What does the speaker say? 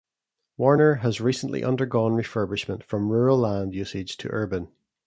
Warner has recently undergone refurbishment from rural land usage to urban.